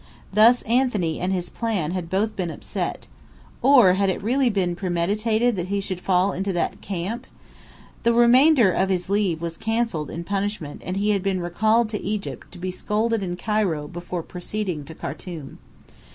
Thus Anthony and his plan had both been upset. (Or had it really been premeditated that he should fall into that camp?) The remainder of his "leave" was cancelled, in punishment, and he had been "recalled" to Egypt, to be scolded in Cairo before proceeding to Khartum.